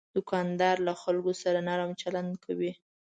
دوکاندار له خلکو سره نرم چلند کوي.